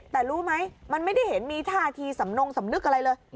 แต่รู้ไหมมันไม่ได้เห็นมีท่าทีสำนงสำนึกอะไรเลย